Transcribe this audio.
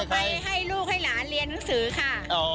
ไปให้ลูกให้หลานเรียนหนังสือค่ะ